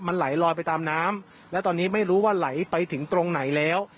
มันไหลลอยไปตามน้ำและตอนนี้ไม่รู้ว่าไหลไปถึงตรงไหนแล้ว